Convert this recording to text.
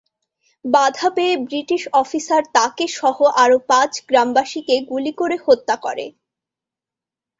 বাধা পেয়ে British officer তাকে সহ আরো পাঁচ গ্রামবাসীকে গুলি করে হত্যা করে।